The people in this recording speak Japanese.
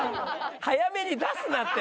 早めに出すなって！